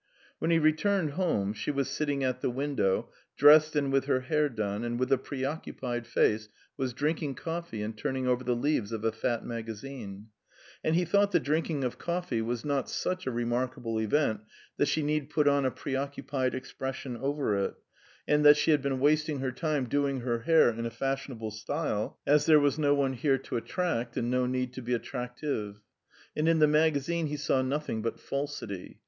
When he returned home, she was sitting at the window, dressed and with her hair done, and with a preoccupied face was drinking coffee and turning over the leaves of a fat magazine; and he thought the drinking of coffee was not such a remarkable event that she need put on a preoccupied expression over it, and that she had been wasting her time doing her hair in a fashionable style, as there was no one here to attract and no need to be attractive. And in the magazine he saw nothing but falsity.